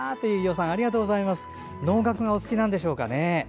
いよさん、ありがとうございます。能楽がお好きなんでしょうか。